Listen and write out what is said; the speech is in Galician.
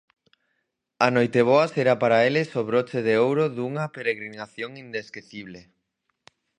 A noiteboa será para eles o broche de ouro dunha peregrinación inesquecible.